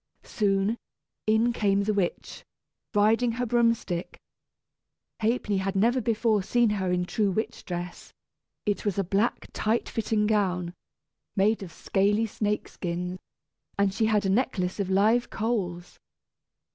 Soon, in came the witch, riding her broom stick. Ha'penny had never before seen her in her true witch dress. It was a black, tight fitting gown, made of scaly snake skin, and she had a necklace of live coals.